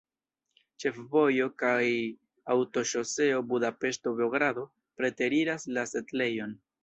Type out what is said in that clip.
Ĉefvojo kaj aŭtoŝoseo Budapeŝto-Beogrado preteriras la setlejon.